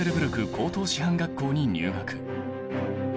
高等師範学校に入学。